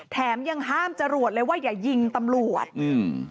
แถมยังห้ามจรวดเลยว่าอย่ายิงตำรวจอืม